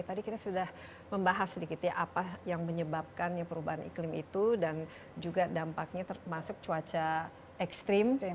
tadi kita sudah membahas sedikit ya apa yang menyebabkan perubahan iklim itu dan juga dampaknya termasuk cuaca ekstrim